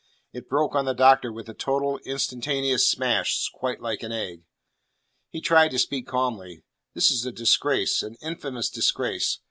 It broke on the Doctor with a total instantaneous smash, quite like an egg. He tried to speak calmly. "This is a disgrace. An infamous disgrace.